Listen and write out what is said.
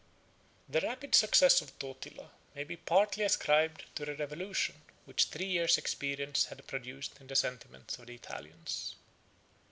] The rapid success of Totila may be partly ascribed to the revolution which three years' experience had produced in the sentiments of the Italians.